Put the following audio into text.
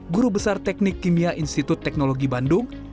guru besar teknik kimia institut teknologi bandung